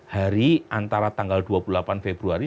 hari antara tanggal dua puluh delapan februari